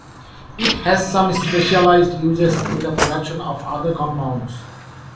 It has some specialized uses in the production of other compounds.